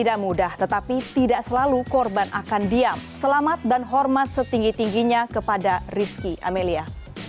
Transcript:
tidak mudah tetapi tidak selalu korban akan diam selamat dan hormat setinggi tingginya kepada rizky amelia